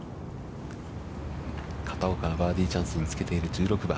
片岡はバーディーチャンスにつけている１６番。